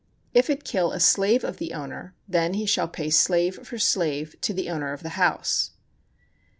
If it kill a slave of the owner, then he shall pay slave for slave to the owner of the house.